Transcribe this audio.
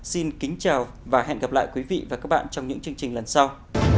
xin kính chào và hẹn gặp lại quý vị và các bạn trong những chương trình lần sau